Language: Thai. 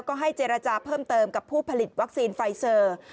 ก็ให้เจรจาเพิ่มเติมกับผู้ผลิตวัคซีนไฟเซอร์